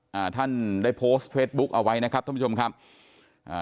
อ่าท่านได้โพสต์เฟซบุ๊คเอาไว้นะครับท่านผู้ชมครับอ่า